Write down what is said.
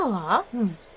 うん。